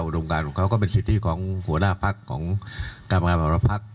อุดมการของเขาก็เป็นสิทธิของหัวหน้าภักดิ์ของกราบงานภาพภักดิ์